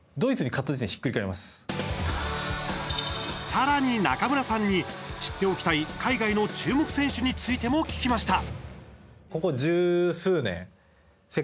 さらに中村さんに知っておきたい海外の注目選手についても聞きました。